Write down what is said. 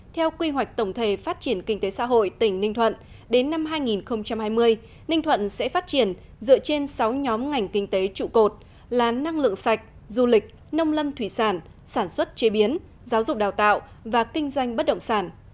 theo quy hoạch tổng thể phát triển kinh tế xã hội tỉnh ninh thuận đến năm hai nghìn hai mươi ninh thuận sẽ phát triển dựa trên sáu nhóm ngành kinh tế trụ cột là năng lượng sạch du lịch nông lâm thủy sản sản xuất chế biến giáo dục đào tạo và kinh doanh bất động sản